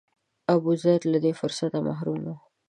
ابوزید له دې فرصته محروم و.